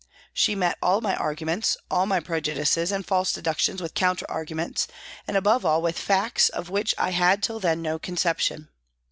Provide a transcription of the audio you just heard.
She met all my arguments, all my prejudices and false deductions with counter arguments, and above all with facts of which I had till then no conception.